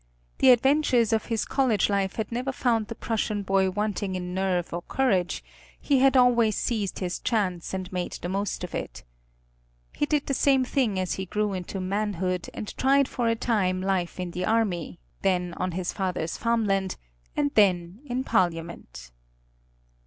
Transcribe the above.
The adventures of his college life had never found the Prussian boy wanting in nerve or courage; he had always seized his chance and made the most of it. He did the same thing as he grew into manhood, and tried for a time life in the army, then on his father's farmland, and then in Parliament.